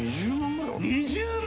２０万！？